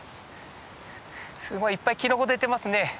すごいいっぱいキノコ出てますね。